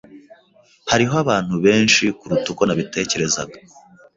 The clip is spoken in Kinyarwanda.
Hariho abantu benshi kuruta uko nabitekerezaga.